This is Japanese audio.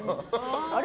あれ？